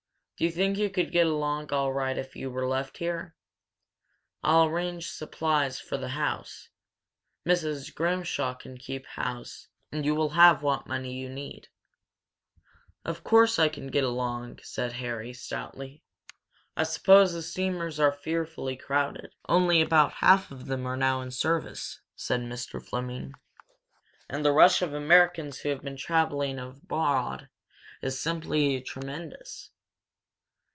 Do you think you could get along all right if you were left here? I'll arrange for supplies for the house; Mrs. Grimshaw can keep house. And you will have what money you need." "Of course I can get along!" said Harry, stoutly. "I suppose the steamers are fearfully crowded?" "Only about half of them are now in service," said Mr. Fleming. "And the rush of Americans who have been travelling abroad is simply tremendous.